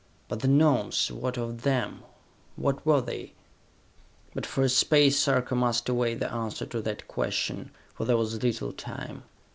But the Gnomes, what of them? What were they? But for a space Sarka must await the answer to that question, for there was little time.